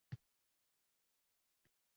boshqa ishga chalg’imay